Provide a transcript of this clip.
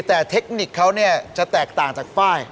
แต่เทคนิคเขาจะแตกต่างจากฝ้าย